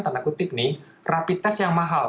tanda kutip nih rapid test yang mahal